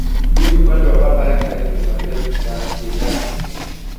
Bibi upande wa baba yake anaitwa Isabel da Piedade